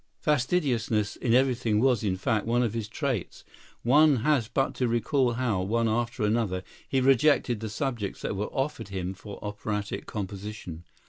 Fastidiousness in everything was, in fact, one of his traits. One has but to recall how, one after another, he rejected the subjects that were offered him for operatic composition.